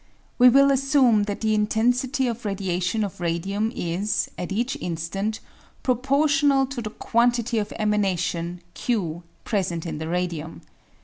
We will assume that the inten sity of radiation of radium is, at each instant, proportional to the quantity of emanation, q, present in the radium.